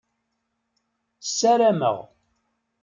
Ssarameɣ.